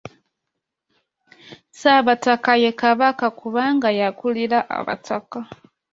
Ssaabataka ye Kabaka kubanga y’akulira abataka.